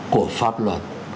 của pháp luật